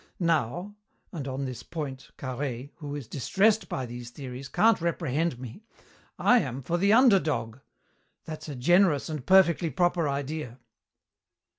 Now and on this point, Carhaix, who is distressed by these theories, can't reprehend me I am for the under dog. That's a generous and perfectly proper idea."